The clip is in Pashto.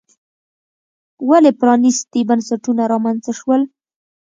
ولې پرانیستي بنسټونه رامنځته شول.